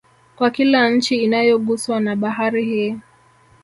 Kwa kila nchi inayoguswa na Bahari hii